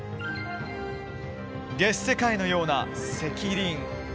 月世界のような石林。